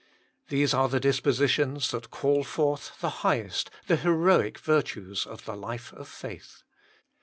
These are the dispositions that call forth the highest, the heroic virtues of the life of faith.